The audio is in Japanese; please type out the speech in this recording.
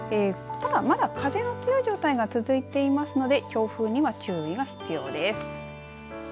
ただまだ風の強い状態が続いていますので強風には注意が必要です。